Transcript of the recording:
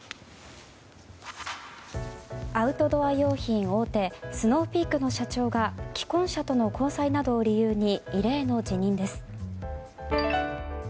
アウトドア用品大手スノーピークの社長が既婚者との交際などを理由に異例の辞任です。